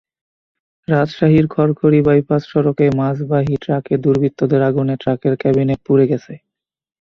রাজশাহীর খড়খড়ি বাইপাস সড়কে মাছবাহী ট্রাকে দুর্বৃত্তদের আগুনে ট্রাকের ক্যাবিনেট পুড়ে গেছে।